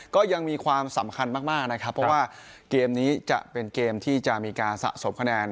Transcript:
ก็ยังมีความสำคัญมากนะครับเพราะว่าเกมนี้จะเป็นเกมที่จะมีการสะสมคะแนน